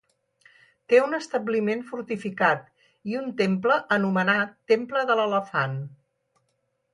Té un establiment fortificat i un temple anomenat Temple de l'Elefant.